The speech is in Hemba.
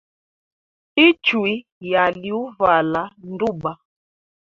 Ichwi yali uvala nduba.